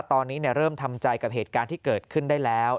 ตอนนี้เริ่มทำใจกับเหตุการณ์ที่เกิดขึ้นได้แล้ว